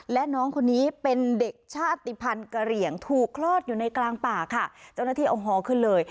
และน้องคนนี้เป็นเด็กชาติภัณฑ์กระเหลี่ยงถูกคลอดอยู่ในกลางป่าค่ะเจ้าหน้าที่เอาฮอขึ้นเลย